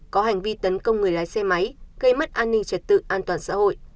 có hành vi tấn công người lái xe máy gây mất an ninh trật tự an toàn xã hội